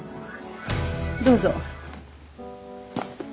どうぞ。